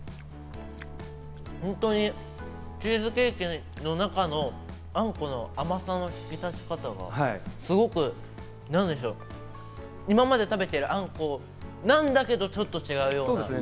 本当にチーズケーキの中のあんこの甘さの引き立ち方が今まで食べてるあんこなんだけど、ちょっと違うような。